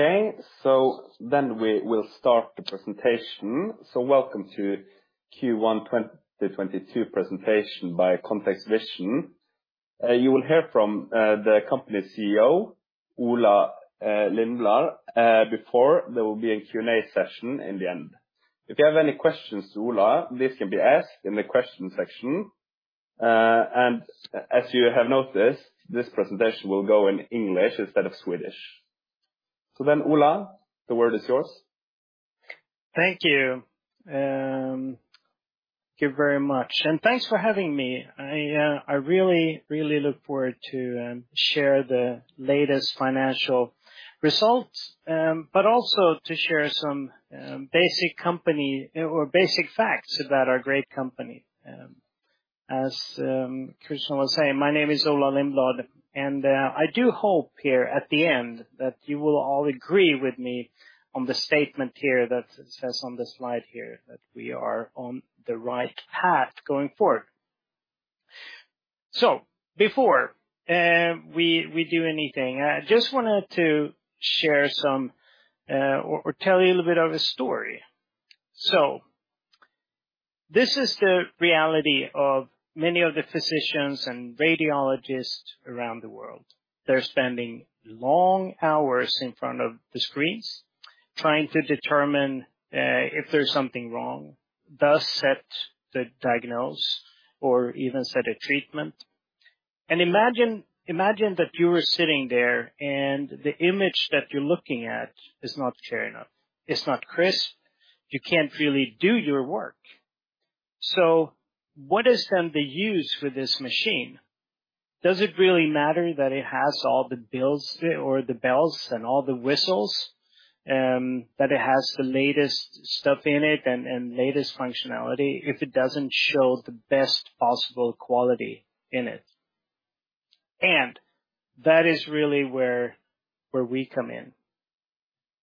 Okay. We will start the presentation. Welcome to Q1 2022 presentation by ContextVision. You will hear from the company CEO, Ola Lindblad, before there will be a Q&A session in the end. If you have any questions to Ola, this can be asked in the question section. As you have noticed, this presentation will go in English instead of Swedish. Ola, the word is yours. Thank you. Thank you very much, and thanks for having me. I really look forward to share the latest financial results, but also to share some basic company or basic facts about our great company. As Christian was saying, my name is Ola Lindblad, and I do hope here at the end that you will all agree with me on the statement here that says on the slide here that we are on the right path going forward. Before we do anything, I just wanted to share some or tell you a little bit of a story. This is the reality of many of the physicians and radiologists around the world. They're spending long hours in front of the screens trying to determine if there's something wrong, thus set the diagnosis or even set a treatment. Imagine that you were sitting there and the image that you're looking at is not clear enough, it's not crisp. You can't really do your work. What is then the use for this machine? Does it really matter that it has all the bells and all the whistles that it has the latest stuff in it and latest functionality if it doesn't show the best possible quality in it? That is really where we come in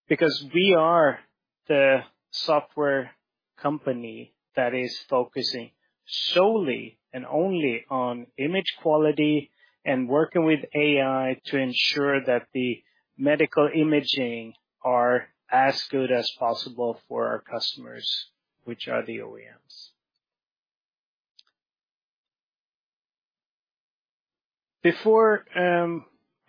because we are the software company that is focusing solely and only on image quality and working with AI to ensure that the Medical Imaging are as good as possible for our customers, which are the OEMs. Before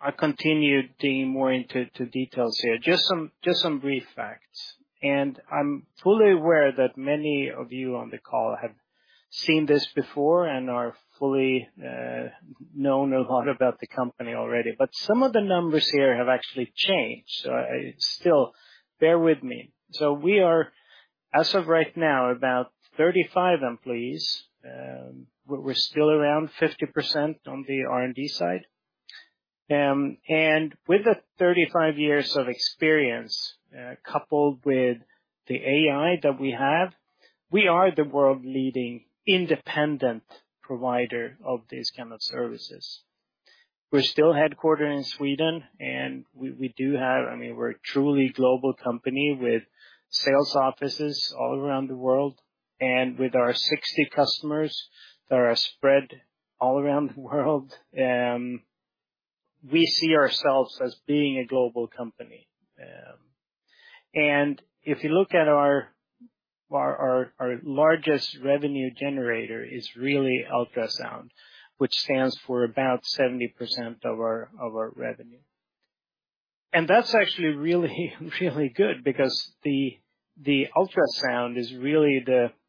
I continue digging more into details here, just some brief facts. I'm fully aware that many of you on the call have seen this before and know a lot about the company already. Some of the numbers here have actually changed. Still bear with me. We are, as of right now, about 35 employees. We're still around 50% on the R&D side. With the 35 years of experience coupled with the AI that we have, we are the world-leading independent provider of these kind of services. We're still headquartered in Sweden. I mean, we're a truly global company with sales offices all around the world. With our 60 customers that are spread all around the world, we see ourselves as being a global company. If you look at our largest revenue generator is really ultrasound, which stands for about 70% of our revenue. That's actually really good because the ultrasound is really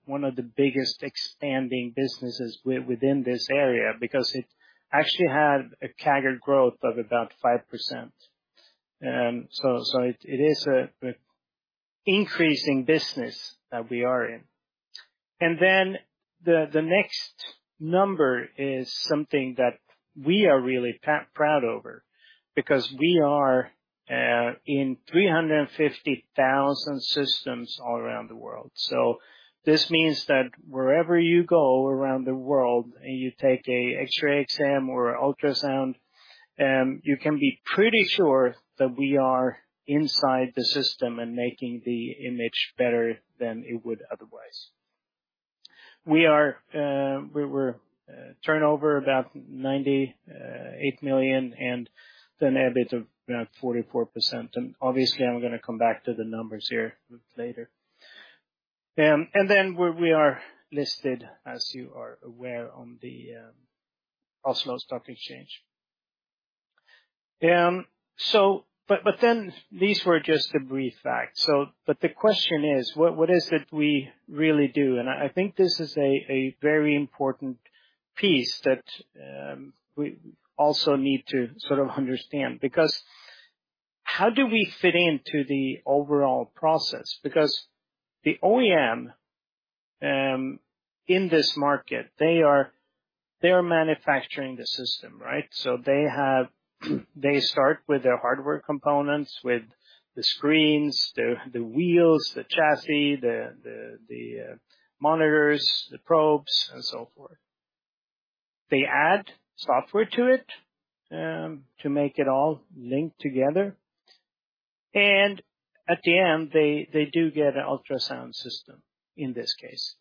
one of the biggest expanding businesses within this area because it actually had a CAGR growth of about 5%. It is an increasing business that we are in. The next number is something that we are really proud over because we are in 350,000 systems all around the world. This means that wherever you go around the world and you take an X-ray exam or ultrasound, you can be pretty sure that we are inside the system and making the image better than it would otherwise. We were turnover about 98 million and an EBIT of about 44%. Obviously, I'm gonna come back to the numbers here later. Then we are listed, as you are aware, on the Oslo Stock Exchange. These were just a brief fact. The question is, what is it we really do? I think this is a very important piece that we also need to sort of understand because how do we fit into the overall process? Because the OEM in this market, they are manufacturing the system, right? They start with their hardware components, with the screens, the wheels, the chassis, the monitors, the probes, and so forth. They add software to it to make it all linked together. At the end, they do get an ultrasound system in this case.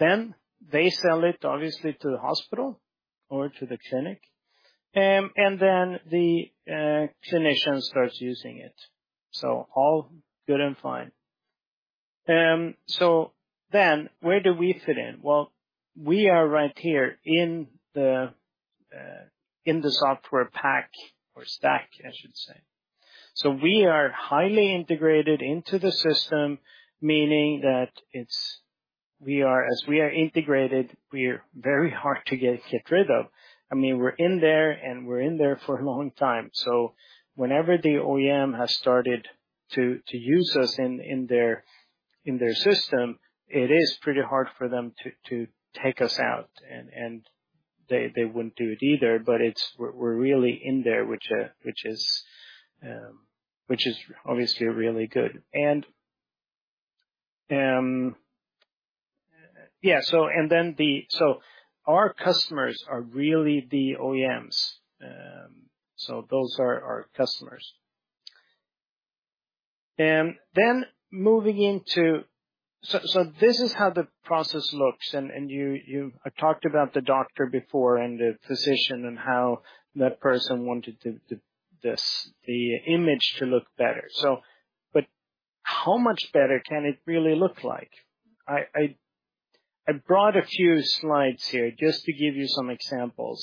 They sell it obviously to the hospital or to the clinic, and then the clinician starts using it. All good and fine. Where do we fit in? Well, we are right here in the software pack or stack, I should say. We are highly integrated into the system, meaning that as we are integrated, we're very hard to get rid of. I mean, we're in there, and we're in there for a long time. Whenever the OEM has started to use us in their system, it is pretty hard for them to take us out and they wouldn't do it either, but we're really in there, which is obviously really good. Our customers are really the OEMs. Those are our customers. This is how the process looks and you talked about the doctor before and the physician and how that person wanted the image to look better. How much better can it really look like? I brought a few slides here just to give you some examples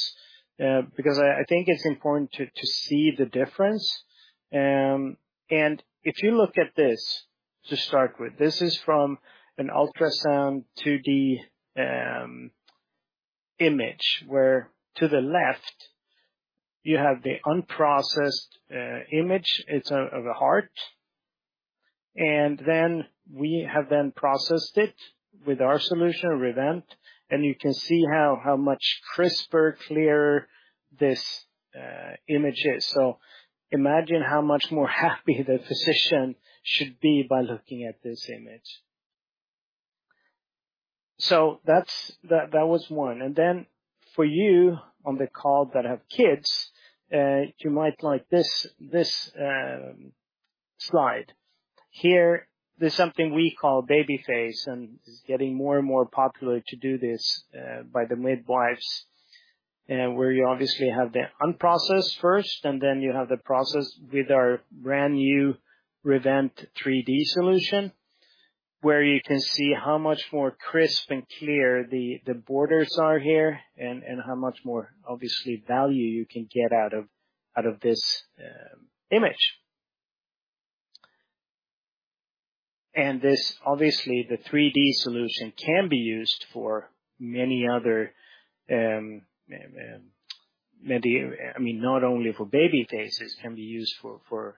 because I think it's important to see the difference. If you look at this to start with, this is from an ultrasound 2D image where to the left you have the unprocessed image. It's of a heart. We have processed it with our solution, Rivent, and you can see how much crisper, clearer this image is. Imagine how much more happy the physician should be by looking at this image. That's one. For you on the call that have kids, you might like this slide. Here is something we call Baby Face, and it's getting more and more popular to do this by the midwives, where you obviously have the unprocessed first, and then you have the processed with our brand-new Rivent 3D solution, where you can see how much more crisp and clear the borders are here and how much more obviously value you can get out of this image. This obviously the 3D solution can be used for many other, I mean, not only for baby faces, can be used for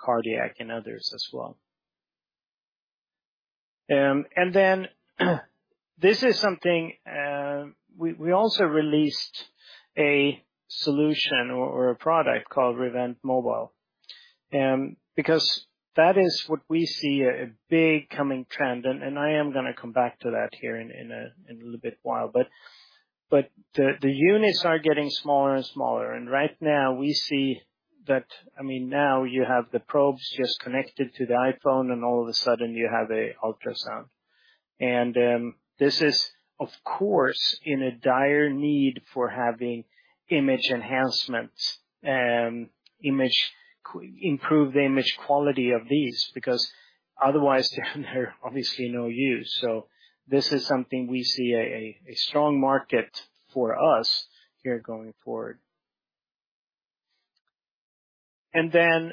cardiac and others as well. Then this is something we also released a solution or a product called Rivent Mobile. Because that is what we see a big coming trend, and I am gonna come back to that here in a little bit while. The units are getting smaller and smaller. Right now we see that, I mean, now you have the probes just connected to the iPhone and all of a sudden you have a ultrasound. This is of course in a dire need for having image enhancements, improve the image quality of these because otherwise they're obviously no use. This is something we see a strong market for us here going forward. Then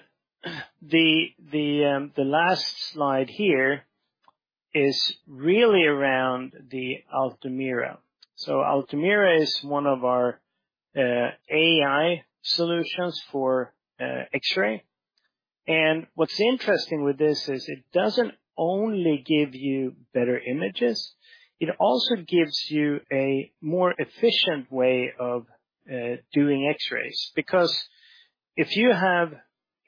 the last slide here is really around the Altumira. Altumira is one of our AI solutions for X-ray. What's interesting with this is it doesn't only give you better images, it also gives you a more efficient way of doing X-rays because if you have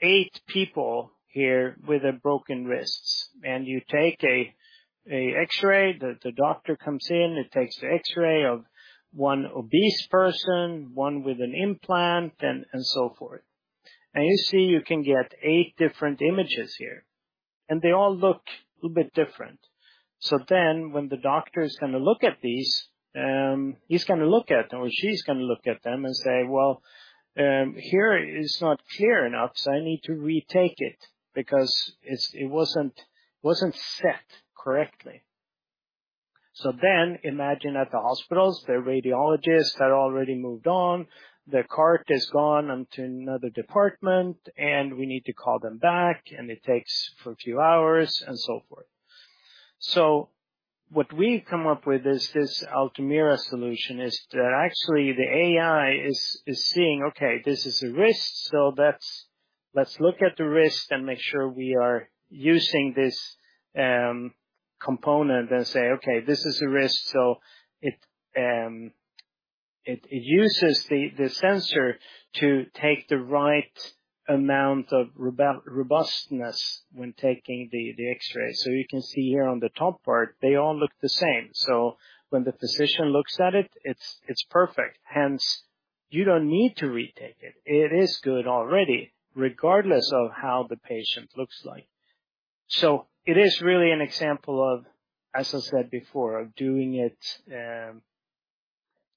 eight people here with broken wrists and you take a X-ray, the doctor comes in and takes the X-ray of one obese person, one with an implant and so forth. You see you can get eight different images here, and they all look a little bit different. When the doctor is gonna look at these, he's gonna look at or she's gonna look at them and say, "Well, here is not clear enough, so I need to retake it because it wasn't set correctly." Imagine at the hospitals, the radiologists had already moved on, their cart is gone onto another department, and we need to call them back, and it takes a few hours and so forth. What we come up with is this Altumira solution, is that actually the AI is seeing, okay, this is a wrist, so that's, let's look at the wrist and make sure we are using this component and say, "Okay, this is a wrist." It uses the sensor to take the right amount of robustness when taking the X-ray. You can see here on the top part they all look the same. When the physician looks at it's perfect. You don't need to retake it. It is good already, regardless of how the patient looks like. It is really an example of, as I said before, of doing it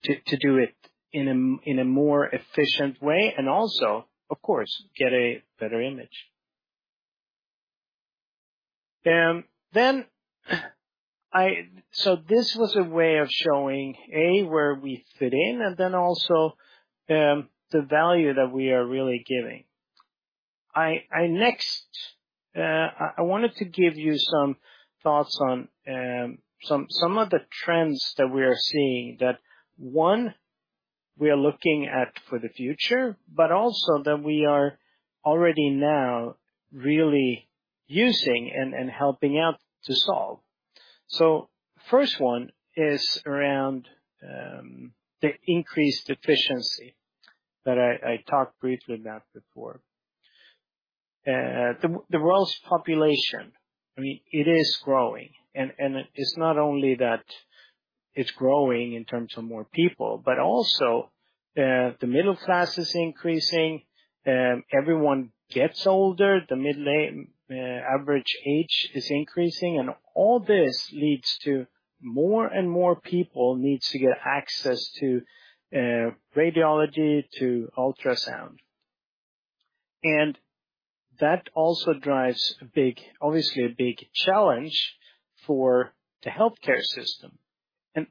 to do it in a more efficient way and also, of course, get a better image. This was a way of showing A, where we fit in, and then also the value that we are really giving. I next wanted to give you some thoughts on some of the trends that we are seeing that one we are looking at for the future, but also that we are already now really using and helping out to solve. First one is around the increased efficiency that I talked briefly about before. The world's population, I mean, it is growing, and it's not only that it's growing in terms of more people, but also the middle class is increasing, everyone gets older, average age is increasing, and all this leads to more and more people needs to get access to radiology, to ultrasound. That also drives a big, obviously, challenge for the healthcare system.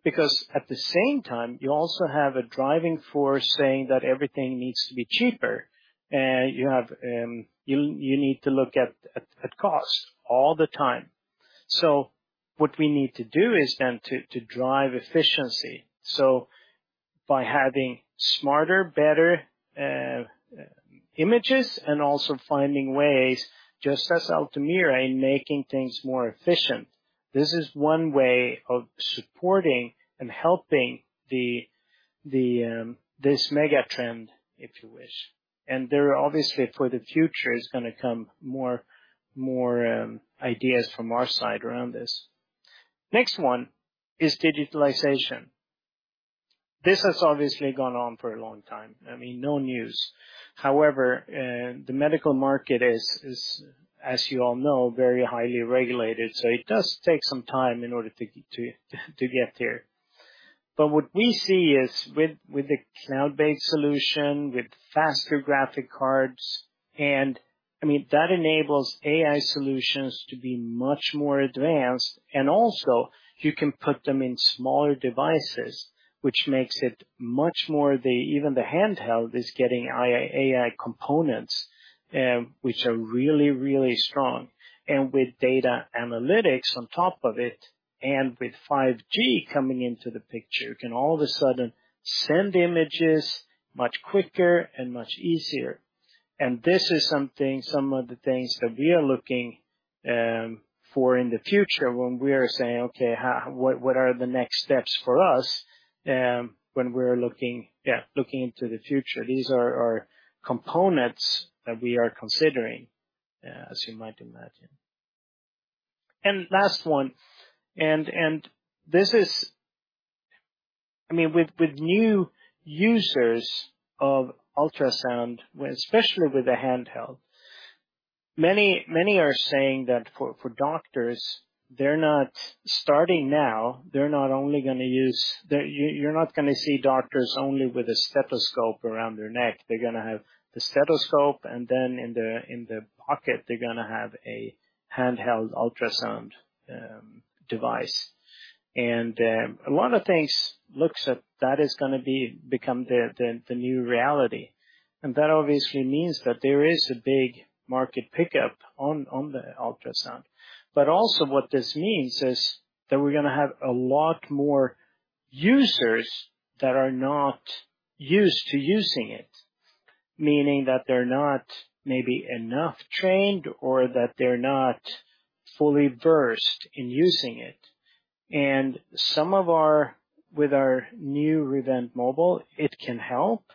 Because at the same time, you also have a driving force saying that everything needs to be cheaper. You need to look at cost all the time. What we need to do is then to drive efficiency. By having smarter, better images and also finding ways, just as Altumira in making things more efficient, this is one way of supporting and helping this mega trend, if you wish. There are obviously for the future is gonna come more ideas from our side around this. Next one is digitalization. This has obviously gone on for a long time. I mean, no news. However, the medical market is, as you all know, very highly regulated, so it does take some time in order to get there. What we see is with the cloud-based solution with faster graphic cards, and I mean that enables AI solutions to be much more advanced. You can also put them in smaller devices, which makes it much more, even the handheld is getting AI components, which are really strong. With data analytics on top of it, and with 5G coming into the picture, you can all of a sudden send images much quicker and much easier. This is something, some of the things that we are looking for in the future when we are saying, "Okay, how, what are the next steps for us," when we're looking into the future. These are our components that we are considering, as you might imagine. Last one, and this is I mean, with new users of ultrasound, especially with the handheld, many are saying that for doctors, they're not starting now, they're not only gonna use. You're not gonna see doctors only with a stethoscope around their neck. They're gonna have the stethoscope, and then in their pocket, they're gonna have a handheld ultrasound device. A lot of things look like that is gonna become the new reality. That obviously means that there is a big market pickup on the ultrasound. But also what this means is that we're gonna have a lot more users that are not used to using it, meaning that they're maybe not trained enough or that they're not fully versed in using it. With our new Rivent Mobile, it can help,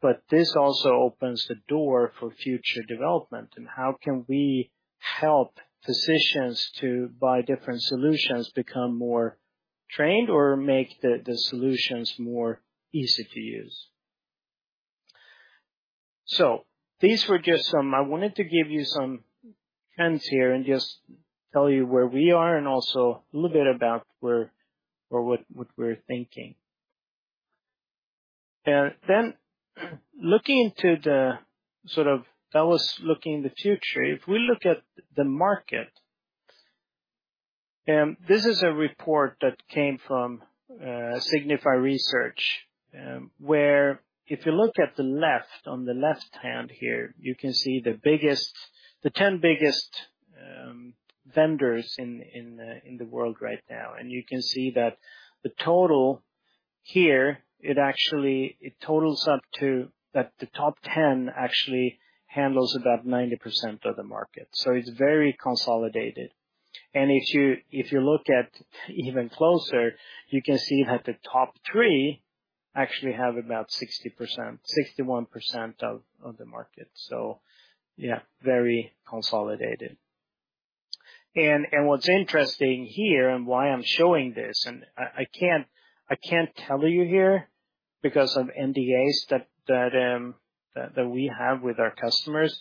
but this also opens the door for future development and how we can help physicians, by different solutions, become more trained or make the solutions more easy to use. These were just some, I wanted to give you some trends here and just tell you where we are and also a little bit about where or what we're thinking. That was looking in the future. If we look at the market, this is a report that came from Signify Research, where if you look at the left, on the left hand here, you can see the biggest, the 10 biggest vendors in the world right now. You can see that the total here, it actually totals up to that the top 10 actually handles about 90% of the market. It's very consolidated. If you look at even closer, you can see that the top three actually have about 60%, 61% of the market. Yeah, very consolidated. What's interesting here and why I'm showing this, and I can't tell you here because of NDAs that we have with our customers.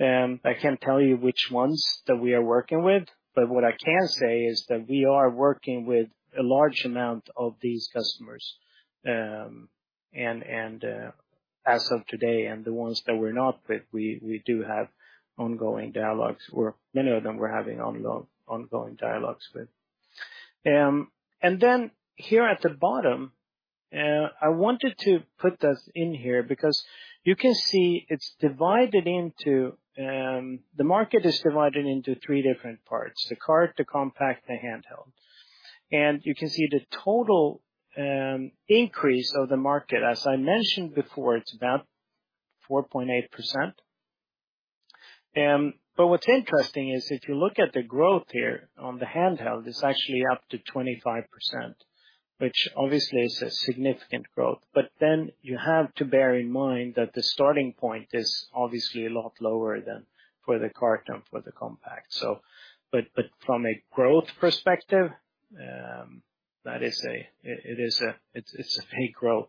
I can't tell you which ones that we are working with. What I can say is that we are working with a large amount of these customers, and as of today, the ones that we're not with, we do have ongoing dialogues, or many of them we're having ongoing dialogues with. Then here at the bottom, I wanted to put this in here because you can see the market is divided into three different parts: the cart, the compact, the handheld. You can see the total increase of the market. As I mentioned before, it's about 4.8%. What's interesting is if you look at the growth here on the handheld, it's actually up to 25%, which obviously is a significant growth. Then you have to bear in mind that the starting point is obviously a lot lower than for the cart and for the compact. From a growth perspective, that is a big growth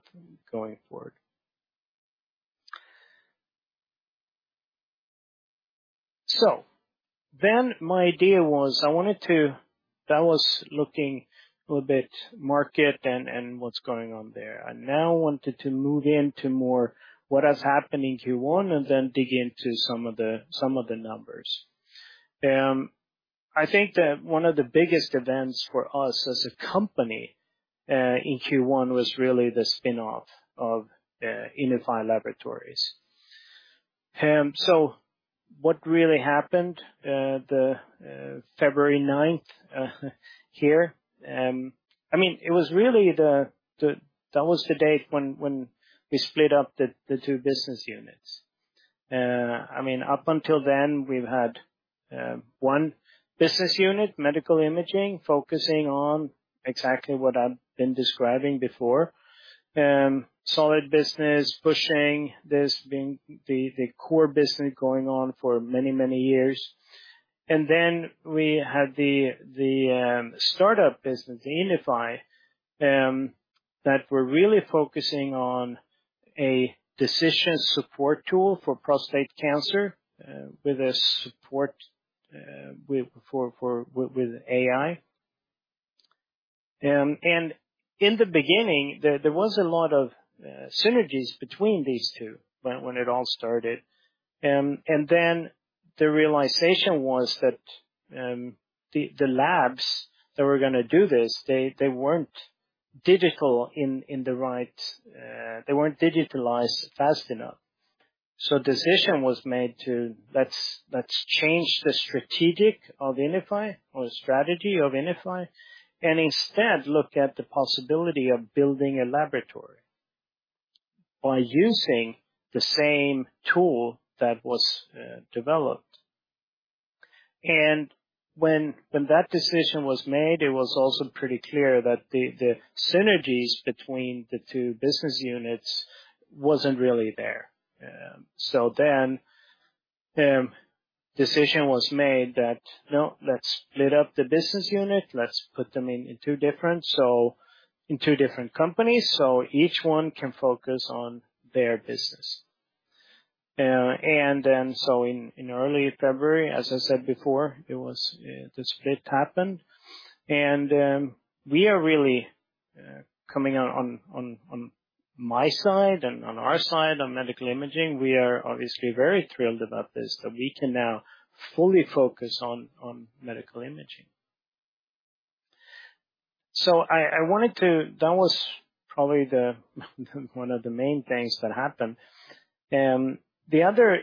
going forward. My idea was I wanted to. That was looking a little bit at the market and what's going on there. I now wanted to move into more what has happened in Q1 and then dig into some of the numbers. I think that one of the biggest events for us as a company in Q1 was really the spin-off of INIFY Laboratories. What really happened February 9th here. I mean, it was really the date when we split up the two business units. I mean, up until then, we've had one business unit, Medical Imaging, focusing on exactly what I've been describing before, solid business, pushing this being the core business going on for many years. Then we had the startup business, the INIFY that we're really focusing on a decision support tool for prostate cancer with AI. In the beginning, there was a lot of synergies between these two when it all started. Then the realization was that the labs that were gonna do this, they weren't digitalized fast enough. Decision was made to let's change the strategy of INIFY, and instead look at the possibility of building a laboratory by using the same tool that was developed. When that decision was made, it was also pretty clear that the synergies between the two business units wasn't really there. Then decision was made that, no, let's split up the business unit. Let's put them in two different companies, so each one can focus on their business. In early February, as I said before, the split happened. We are really coming on my side and on our side on Medical Imaging. We are obviously very thrilled about this, that we can now fully focus on Medical Imaging. I wanted to. That was probably one of the main things that happened. The other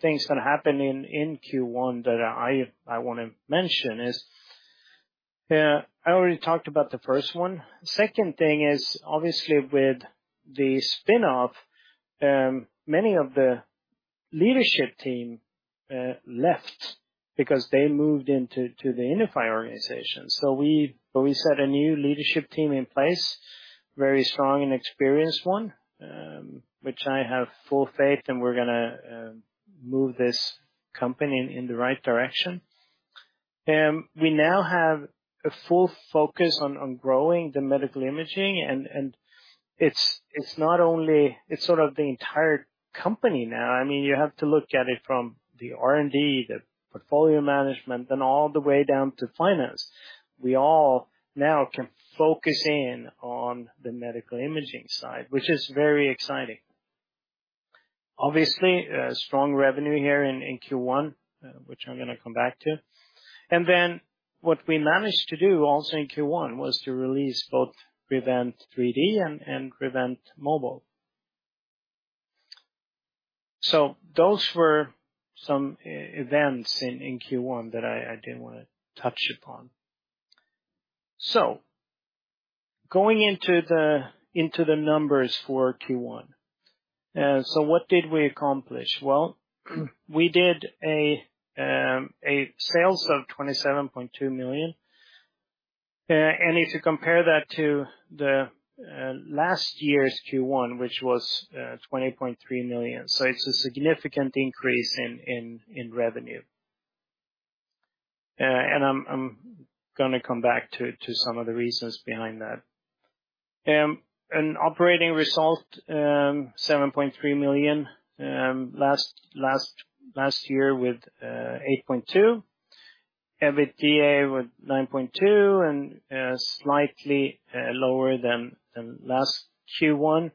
things that happened in Q1 that I wanna mention is I already talked about the first one. Second thing is, obviously, with the spin-off, many of the leadership team left because they moved into the INIFY organization. We set a new leadership team in place, very strong and experienced one, which I have full faith in and we're gonna move this company in the right direction. We now have a full focus on growing the Medical Imaging, and it's not only—it's sort of the entire company now. I mean, you have to look at it from the R&D, the portfolio management, and all the way down to finance. We all now can focus in on the Medical Imaging side, which is very exciting. Obviously, a strong revenue here in Q1, which I'm gonna come back to. Then what we managed to do also in Q1 was to release both Rivent 3D and Rivent Mobile. Those were some events in Q1 that I did wanna touch upon. Going into the numbers for Q1. What did we accomplish? Well, we did sales of 27.2 million. If you compare that to the last year's Q1, which was 20.3 million. It's a significant increase in revenue. I'm gonna come back to some of the reasons behind that. Operating result 7.3 million last year with 8.2 million. EBITDA was 9.2 million and slightly lower than the last Q1,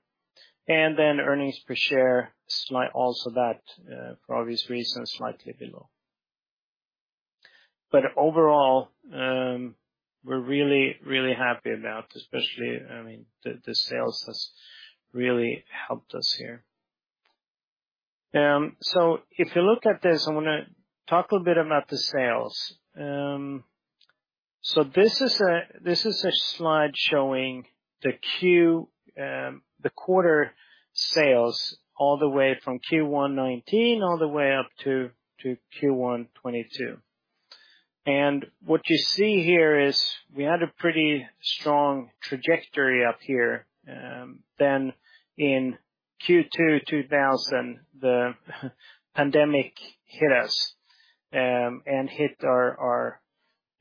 and then earnings per share, for obvious reasons, slightly below. Overall, we're really happy about especially, I mean, the sales has really helped us here. If you look at this, I wanna talk a little bit about the sales. This is a slide showing the quarterly sales all the way from Q1 2019 all the way up to Q1 2022. What you see here is we had a pretty strong trajectory up here. In Q2 2020, the pandemic hit us and hit our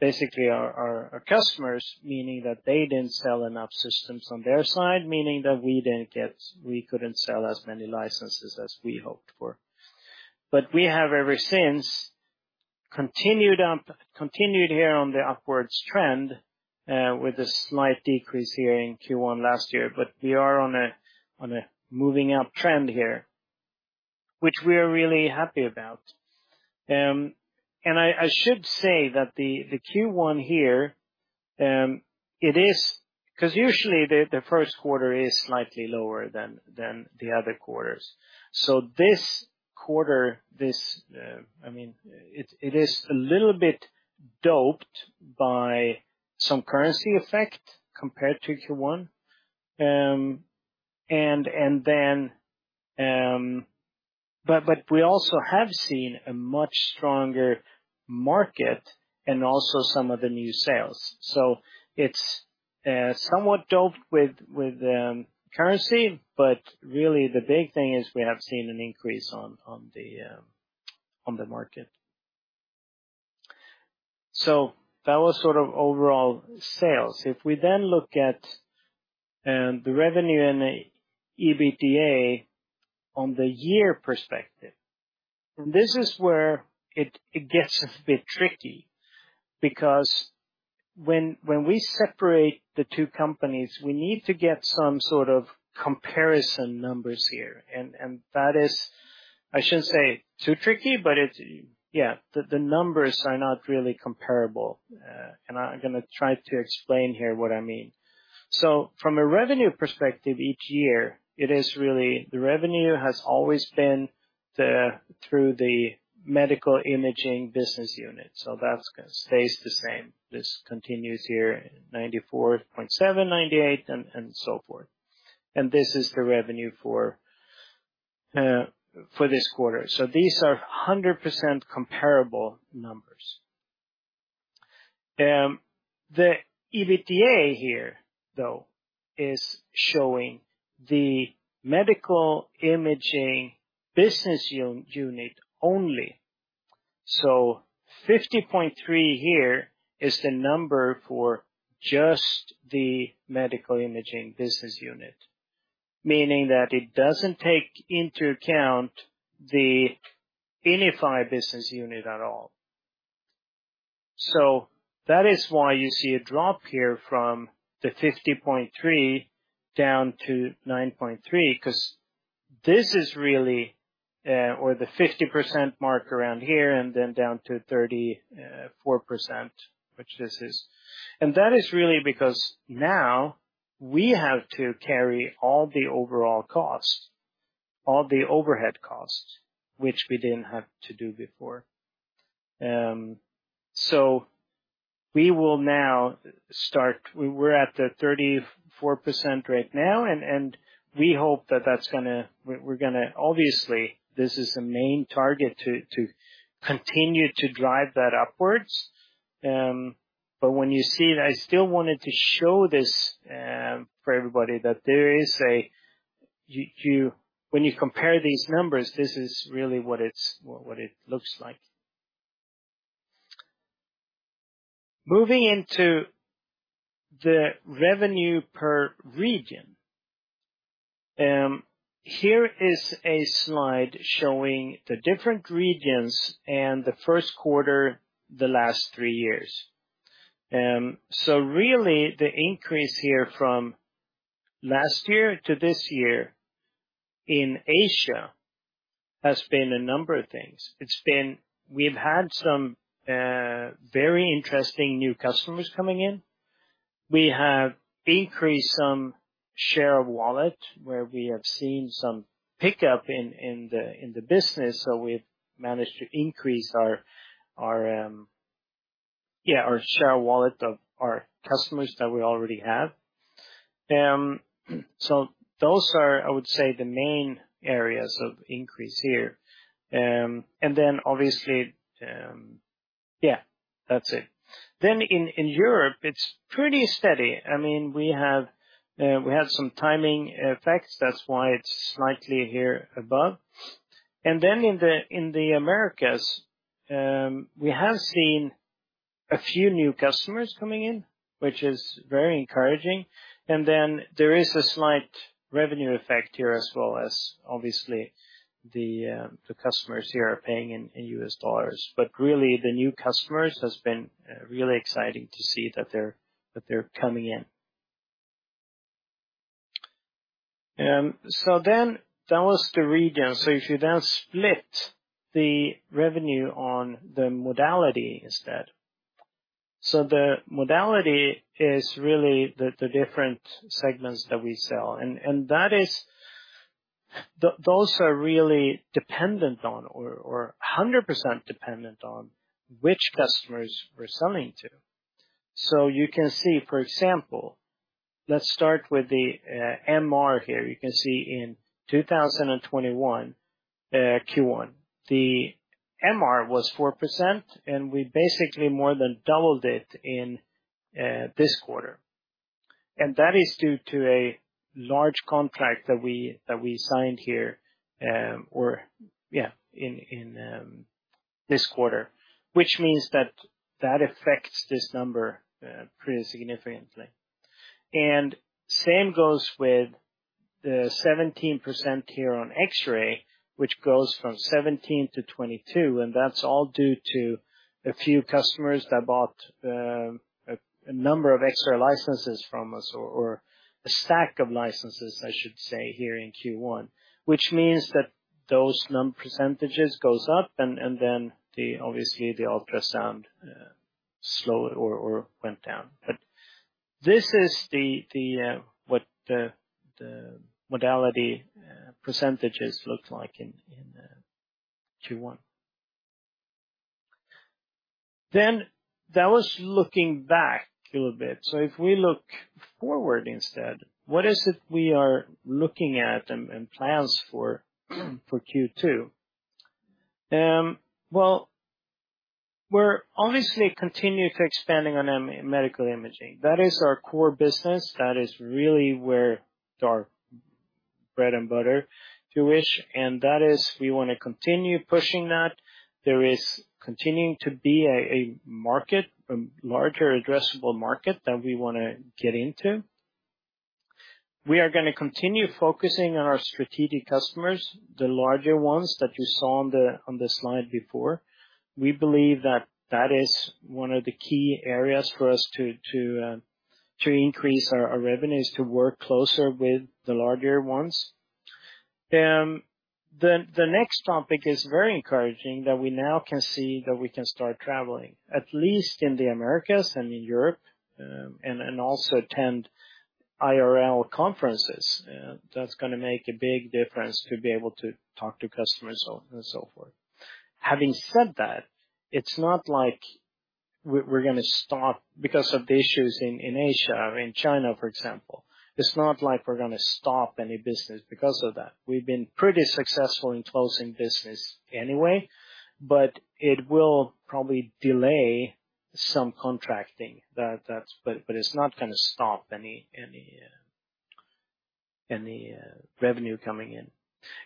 basically our customers, meaning that they didn't sell enough systems on their side, meaning that we couldn't sell as many licenses as we hoped for. We have ever since continued here on the upwards trend with a slight decrease here in Q1 last year. We are on a moving up trend here, which we're really happy about. I should say that the Q1 here, it is. Because usually the first quarter is slightly lower than the other quarters. This quarter, I mean, it is a little bit doped by some currency effect compared to Q1. We also have seen a much stronger market and also some of the new sales. It's somewhat doped with currency, but really the big thing is we have seen an increase on the market. That was sort of overall sales. If we then look at the revenue and the EBITDA on the year perspective, and this is where it gets a bit tricky because when we separate the two companies, we need to get some sort of comparison numbers here. That is, I shouldn't say too tricky, but the numbers are not really comparable. I'm gonna try to explain here what I mean. From a revenue perspective, each year the revenue has always been through the Medical Imaging Business Unit, so that's gonna stay the same. This continues here in 94.7, 98, and so forth. This is the revenue for this quarter. These are 100% comparable numbers. The EBITDA here, though, is showing the Medical Imaging Business Unit only. 50.3 here is the number for just the Medical Imaging Business Unit, meaning that it doesn't take into account the INIFY Business Unit at all. That is why you see a drop here from the 50.3% down to 9.3%, 'cause this is really or the 50% mark around here and then down to 34%, which this is. That is really because now we have to carry all the overall costs, all the overhead costs, which we didn't have to do before. We are at the 34% right now and we hope that that's gonna obviously this is the main target to continue to drive that upwards. When you see it, I still wanted to show this for everybody that there is a when you compare these numbers, this is really what it looks like. Moving into the revenue per region. Here is a slide showing the different regions and the first quarter of the last three years. So really the increase here from last year to this year in Asia has been a number of things. We've had some very interesting new customers coming in. We have increased some share of wallet where we have seen some pickup in the business, so we've managed to increase our share of wallet of our customers that we already have. So those are, I would say, the main areas of increase here. Obviously, yeah, that's it. In Europe, it's pretty steady. I mean, we had some timing effects. That's why it's slightly here above. In the Americas, we have seen a few new customers coming in, which is very encouraging. There is a slight revenue effect here as well as obviously, the customers here are paying in U.S. dollars. Really, the new customers has been really exciting to see that they're coming in. That was the region. If you now split the revenue on the modality instead. The modality is really the different segments that we sell. Those are really dependent on or 100% dependent on which customers we're selling to. You can see, for example, let's start with the MR here. You can see in 2021 Q1, the MR was 4%, and we basically more than doubled it in this quarter. That is due to a large contract that we signed here in this quarter, which means that that affects this number pretty significantly. Same goes with the 17% here on X-ray, which goes from 17% to 22%, and that's all due to a few customers that bought a number of X-ray licenses from us or a stack of licenses, I should say, here in Q1. Which means that those percentages go up and then obviously the ultrasound went down. This is what the modality percentages look like in Q1. That was looking back a little bit. If we look forward instead, what is it we are looking at and plans for Q2? Well, we're obviously continuing to expand on Medical Imaging. That is our core business. That is really where our bread and butter is, to which we wanna continue pushing that. There is continuing to be a larger addressable market that we wanna get into. We are gonna continue focusing on our strategic customers, the larger ones that you saw on the slide before. We believe that is one of the key areas for us to increase our revenues, to work closer with the larger ones. The next topic is very encouraging that we now can see that we can start traveling, at least in the Americas and in Europe, and also attend IRL conferences. That's gonna make a big difference to be able to talk to customers so and so forth. Having said that, it's not like we're gonna stop because of the issues in Asia, in China, for example. It's not like we're gonna stop any business because of that. We've been pretty successful in closing business anyway, but it will probably delay some contracting. It's not gonna stop any revenue coming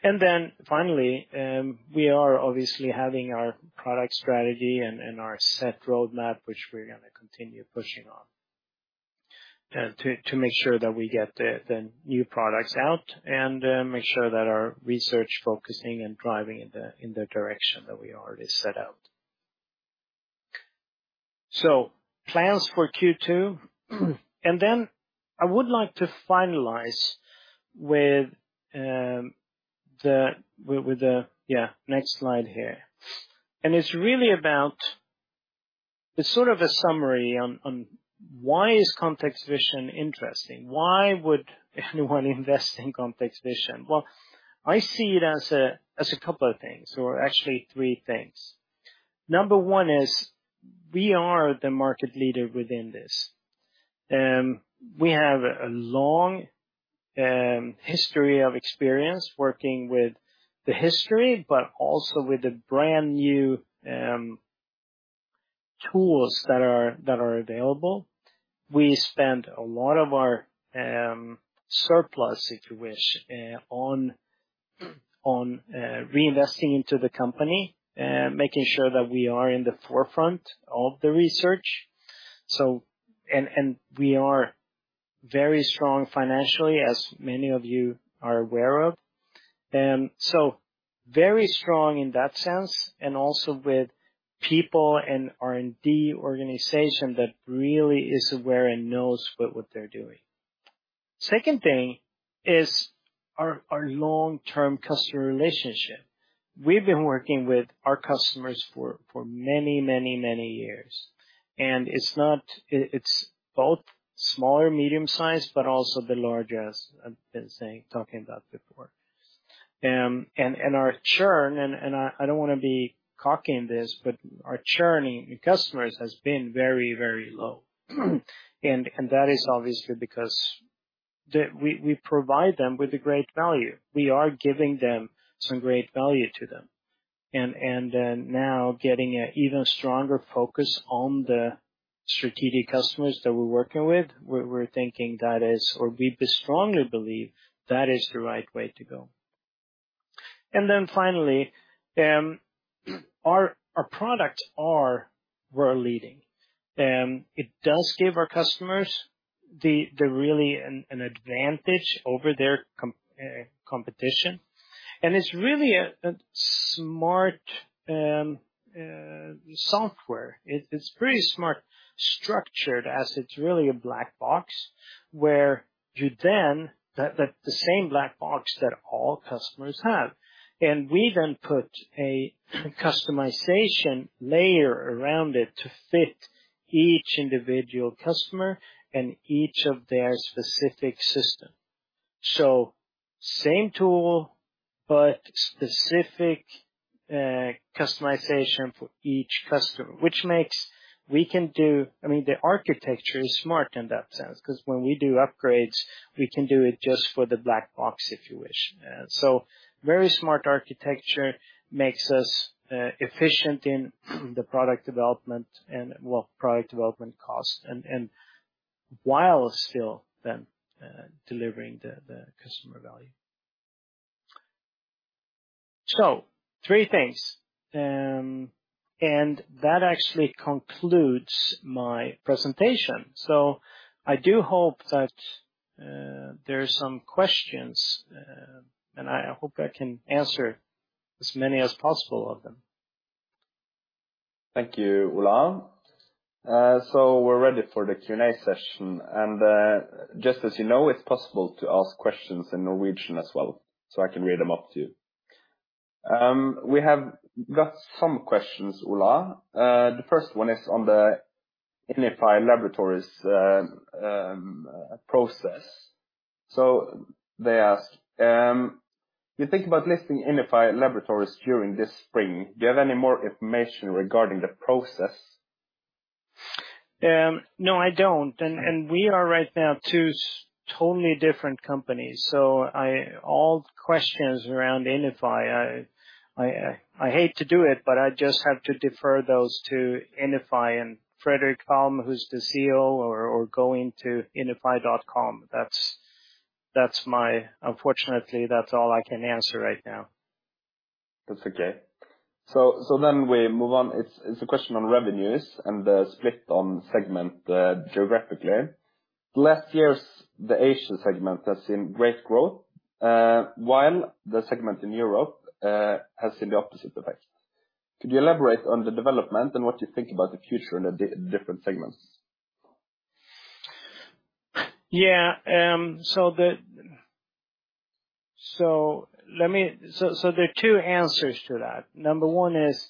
in. We are obviously having our product strategy and our set roadmap, which we're gonna continue pushing on, to make sure that we get the new products out and make sure that our research focusing and driving in the direction that we already set out. Plans for Q2. I would like to finalize with the. Yeah, next slide here. It's really about the sort of a summary on why is ContextVision interesting. Why would anyone invest in ContextVision? Well, I see it as a couple of things or actually three things. Number one is we are the market leader within this. We have a long history of experience working in the industry, but also with the brand-new tools that are available. We spend a lot of our surplus, if you wish, on reinvesting into the company, making sure that we are in the forefront of the research. We are very strong financially, as many of you are aware of. Very strong in that sense, and also with people and R&D organization that really is aware and knows what they're doing. Second thing is our long-term customer relationship. We've been working with our customers for many years, and it's both small or medium-sized, but also the large, as I've been saying, talking about before. Our churn and I don't wanna be cocky in this, but our churn in customers has been very low. That is obviously because we provide them with a great value. We are giving them some great value to them. Now getting an even stronger focus on the strategic customers that we're working with, we're thinking that is, or we strongly believe that is the right way to go. Finally, our products are leading. It does give our customers the really an advantage over their competition. It's really a smart software. It's pretty smart structured as it's really a black box where you then the same black box that all customers have. We then put a customization layer around it to fit each individual customer and each of their specific system. Same tool, but specific customization for each customer, which makes. I mean, the architecture is smart in that sense, 'cause when we do upgrades, we can do it just for the black box, if you wish. Very smart architecture makes us efficient in the product development and, well, product development costs, and while still then delivering the customer value. Three things. That actually concludes my presentation. I do hope that there's some questions, and I hope I can answer as many as possible of them. Thank you, Ola. We're ready for the Q&A session. Just so you know, it's possible to ask questions in Norwegian as well, so I can read them out to you. We have got some questions, Ola. The first one is on the INIFY Laboratories process. They ask, do you think about listing INIFY Laboratories during this spring? Do you have any more information regarding the process? No, I don't. We are right now two totally different companies. All questions around INIFY, I hate to do it, but I just have to defer those to INIFY and Fredrik Palm, who's the CEO, or going to inify.com. Unfortunately, that's all I can answer right now. That's okay. We move on. It's a question on revenues and the split on segment, geographically. Last year, the Asia segment has seen great growth, while the segment in Europe has seen the opposite effect. Could you elaborate on the development and what you think about the future in the different segments? There are two answers to that. Number one is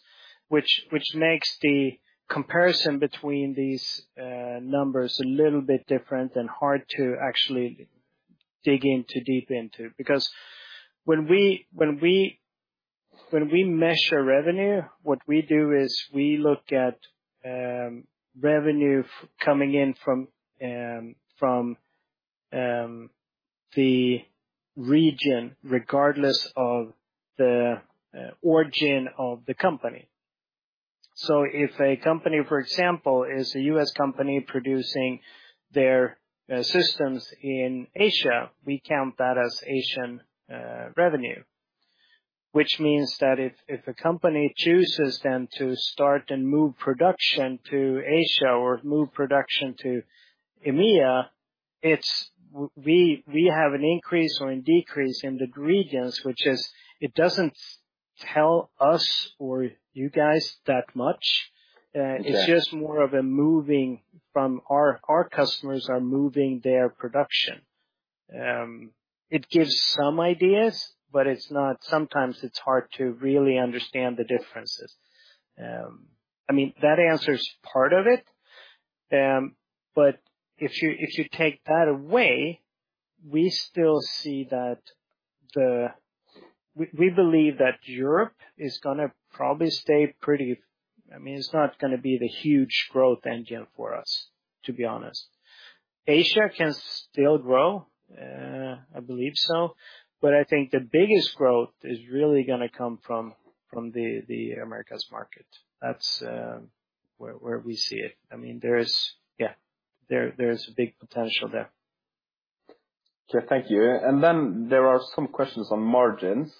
which makes the comparison between these numbers a little bit different and hard to actually dig into deeply. Because when we measure revenue, what we do is we look at revenue coming in from the region, regardless of the origin of the company. If a company, for example, is a U.S. company producing their systems in Asia, we count that as Asian revenue. Which means that if a company chooses then to start and move production to Asia or move production to EMEA, we have an increase or a decrease in the regions, which doesn't tell us or you guys that much. Yeah. It's just more of a moving. Our customers are moving their production. It gives some ideas, but it's not. Sometimes it's hard to really understand the differences. I mean, that answers part of it. If you take that away, we still see that. We believe that Europe is gonna probably stay pretty. I mean, it's not gonna be the huge growth engine for us, to be honest. Asia can still grow, I believe so, but I think the biggest growth is really gonna come from the Americas market. That's where we see it. I mean, there is, yeah, there is a big potential there. Okay. Thank you. There are some questions on margins.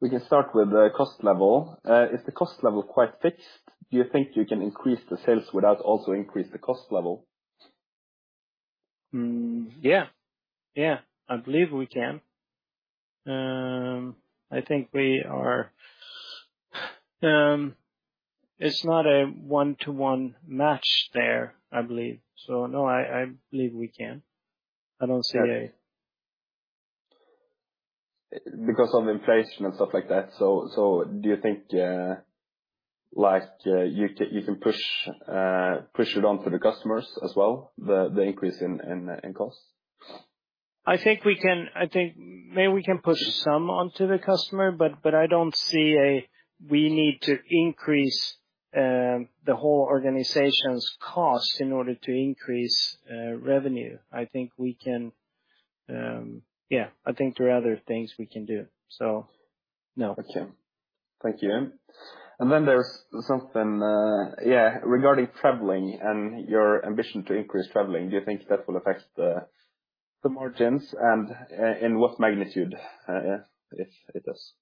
We can start with the cost level. Is the cost level quite fixed? Do you think you can increase the sales without also increase the cost level? I believe we can. It's not a one-to-one match there, I believe. No, I believe we can. I don't see a Because of inflation and stuff like that. Do you think, like, you can push it on to the customers as well, the increase in costs? I think maybe we can push some onto the customer, but I don't see a we need to increase the whole organization's costs in order to increase revenue. I think we can, yeah, I think there are other things we can do. No. Okay. Thank you. Then there's something regarding traveling and your ambition to increase traveling, do you think that will affect the margins and what magnitude, if it does?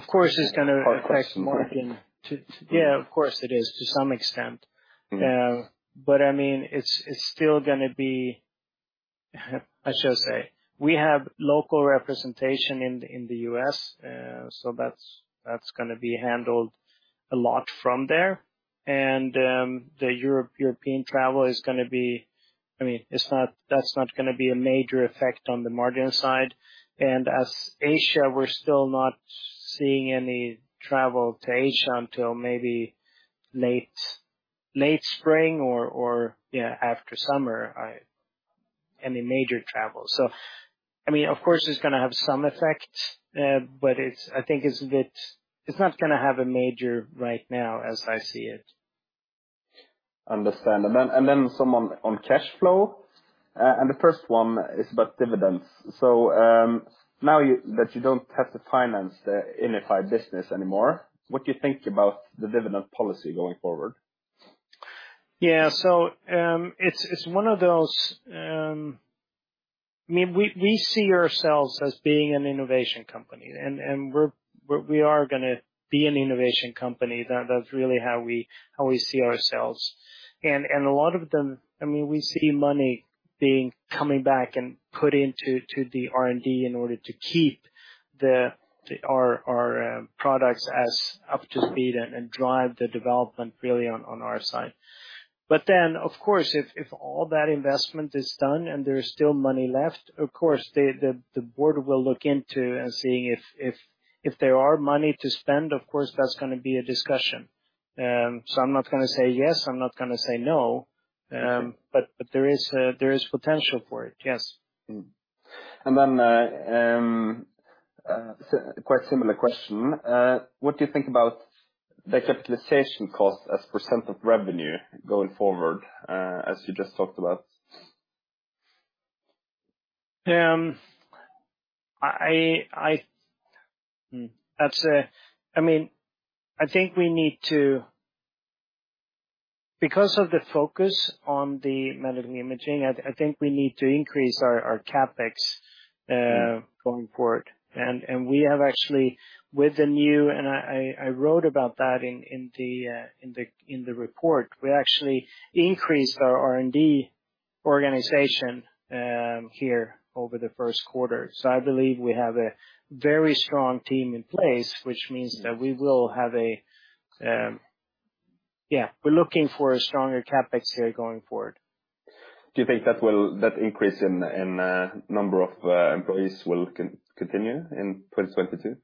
Of course, it's gonna affect margin. Hard question. Yeah, of course it is to some extent. I mean, it's still gonna be, how I should say. We have local representation in the U.S., so that's gonna be handled a lot from there. The European travel is gonna be. I mean, it's not. That's not gonna be a major effect on the margin side. For Asia, we're still not seeing any travel to Asia until maybe late spring or yeah, after summer, any major travel. I mean, of course, it's gonna have some effect, but I think it's not gonna have a major right now, as I see it. Understand. Then some on cash flow. The first one is about dividends. Now that you don't have to finance the INIFY business anymore, what do you think about the dividend policy going forward? Yeah. It's one of those. I mean, we see ourselves as being an innovation company, and we're gonna be an innovation company. That's really how we see ourselves. A lot of them, I mean, we see money coming back and put into the R&D in order to keep our products up to speed and drive the development really on our side. Of course, if all that investment is done and there's still money left, the board will look into seeing if there is money to spend. That's gonna be a discussion. I'm not gonna say yes. I'm not gonna say no, but there is potential for it. Yes. Quite similar question. What do you think about the CapEx as percent of revenue going forward, as you just talked about? I mean, because of the focus on the Medical Imaging, I think we need to increase our CapEx going forward. I wrote about that in the report. We actually increased our R&D organization here over the first quarter. I believe we have a very strong team in place, which means that we're looking for a stronger CapEx here going forward. Do you think that increase in number of employees will continue in 2022?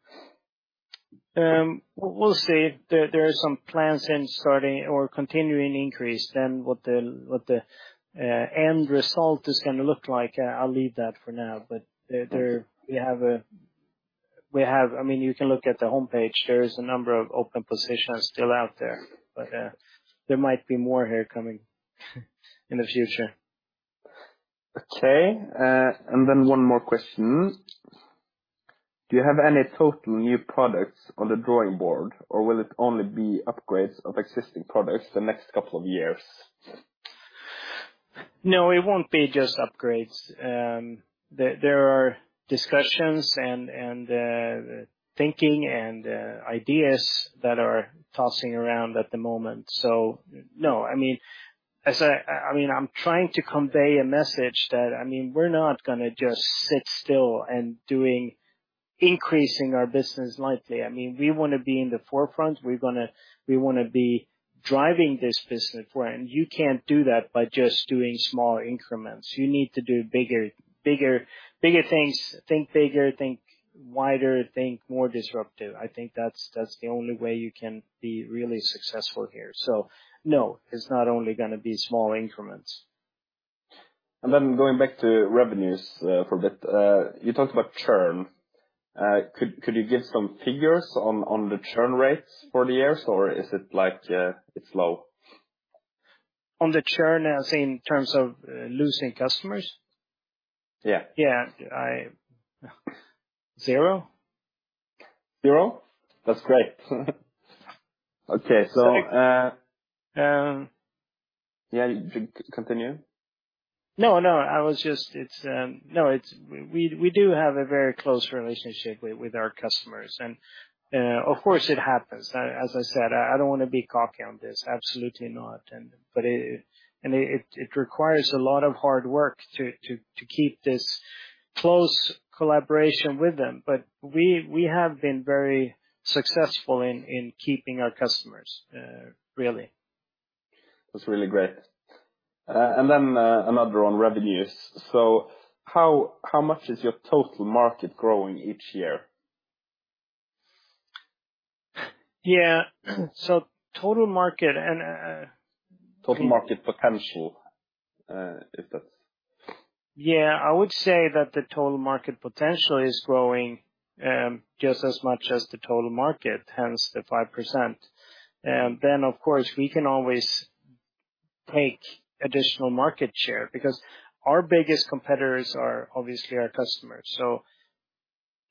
We'll see. There are some plans in starting or continuing increase than what the end result is gonna look like. I'll leave that for now. There we have—I mean, you can look at the homepage. There is a number of open positions still out there. There might be more here coming in the future. One more question. Do you have any totally new products on the drawing board, or will it only be upgrades of existing products the next couple of years? No, it won't be just upgrades. There are discussions and thinking and ideas that are tossing around at the moment. No. I mean, I'm trying to convey a message that, I mean, we're not gonna just sit still and doing, increasing our business lightly. I mean, we wanna be in the forefront. We wanna be driving this business forward. You can't do that by just doing small increments. You need to do bigger things. Think bigger, think wider, think more disruptive. I think that's the only way you can be really successful here. No, it's not only gonna be small increments. Going back to revenues, for a bit. You talked about churn. Could you give some figures on the churn rates for the years, or is it like, it's low? On the churn, as in terms of, losing customers? Yeah. Yeah. zero. zero? That's great. Okay. Um- Yeah. Continue. No. We do have a very close relationship with our customers. Of course, it happens. As I said, I don't wanna be cocky on this. Absolutely not. It requires a lot of hard work to keep this close collaboration with them. We have been very successful in keeping our customers really. That's really great. Another on revenues. How much is your total market growing each year? Yeah. Total market and Total market potential, if that's. Yeah. I would say that the total market potential is growing just as much as the total market, hence the 5%. Of course, we can always take additional market share because our biggest competitors are obviously our customers.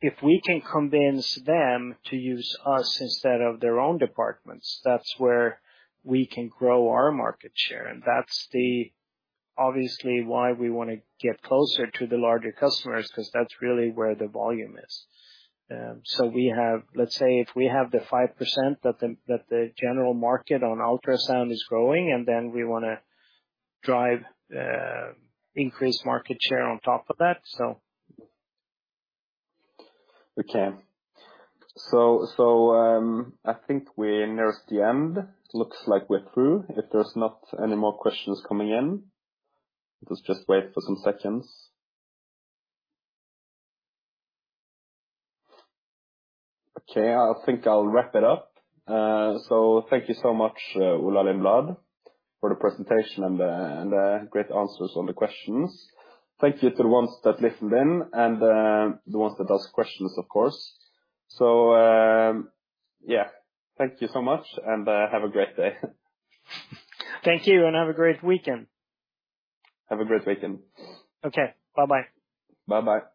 If we can convince them to use us instead of their own departments, that's where we can grow our market share. That's obviously why we wanna get closer to the larger customers, 'cause that's really where the volume is. We have, let's say if we have the 5% that the general market on ultrasound is growing, and then we wanna drive increased market share on top of that. Okay. I think we're near the end. Looks like we're through. If there's not any more questions coming in, let's just wait for some seconds. Okay, I think I'll wrap it up. Thank you so much, Ola Lindblad, for the presentation and the great answers on the questions. Thank you to the ones that listened in and the ones that asked questions, of course. Yeah. Thank you so much, and have a great day. Thank you, and have a great weekend. Have a great weekend. Okay. Bye-bye. Bye-bye.